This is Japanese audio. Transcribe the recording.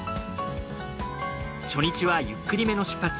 初日はゆっくりめの出発。